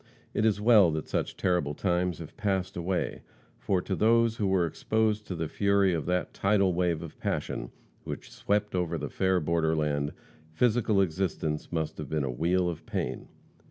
It is well that such terrible times have passed away, for to those who were exposed to the fury of that tidal wave of passion, which swept over the fair borderland, physical existence must have been a wheel of pain.